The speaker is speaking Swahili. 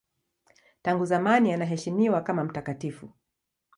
Tangu zamani anaheshimiwa kama mtakatifu.